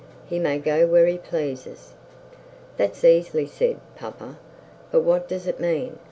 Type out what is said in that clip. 'He may go where he pleases.' 'That's easily said, papa; but what does it mean?